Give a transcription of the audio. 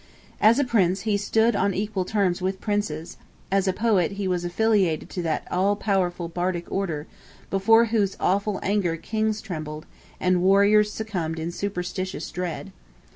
As prince, he stood on equal terms with princes; as poet, he was affiliated to that all powerful Bardic Order, before whose awful anger kings trembled, and warriors succumbed in superstitious dread.